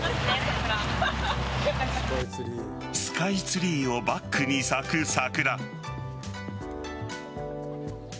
スカイツリーをバックに咲く桜。